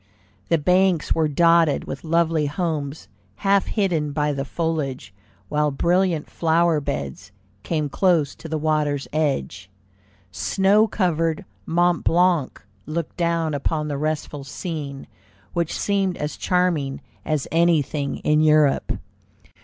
The banks were dotted with lovely homes, half hidden by the foliage, while brilliant flower beds came close to the water's edge. Snow covered Mont Blanc looked down upon the restful scene, which seemed as charming as anything in Europe.